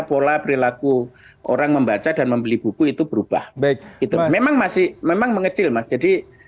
pola perilaku orang membaca dan membeli buku itu berubah baik itu memang masih memang mengecil mas jadi